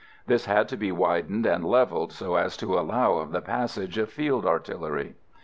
This had to be widened and levelled so as to allow of the passage of field artillery.